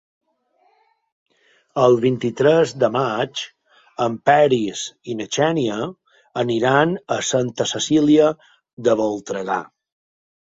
El vint-i-tres de maig en Peris i na Xènia aniran a Santa Cecília de Voltregà.